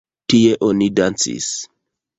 Tie oni dancis.